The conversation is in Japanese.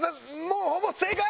もうほぼ正解！